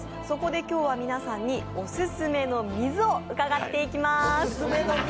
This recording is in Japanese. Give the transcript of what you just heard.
そこで今日は皆さんにオススメの水を伺っていきます。